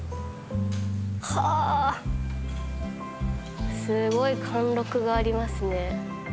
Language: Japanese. はあすごい貫禄がありますね。